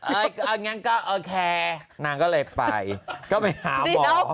อย่างนั้นก็โอเคนางก็เลยไปก็ไปหาหมอ